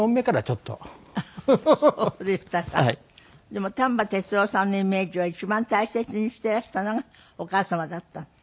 でも丹波哲郎さんのイメージを一番大切にしていらしたのがお母様だったって。